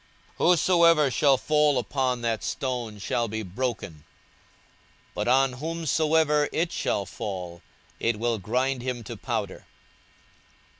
42:020:018 Whosoever shall fall upon that stone shall be broken; but on whomsoever it shall fall, it will grind him to powder.